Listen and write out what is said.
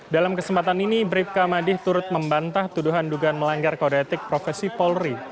dalam kesempatan ini bribka madi turut membantah tuduhan dugaan melanggar kode etik profesi polri